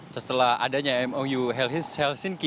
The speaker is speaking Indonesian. setelah adanya mou helhis helsinki